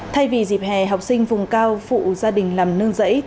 thay vì dịp hè học sinh vùng cao phụ gia đình làm nương rẫy